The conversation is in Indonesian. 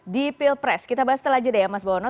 di pilpres kita bahas setelah jeda ya mas bowono